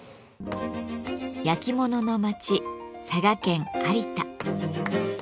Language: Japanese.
焼き物の町佐賀県有田。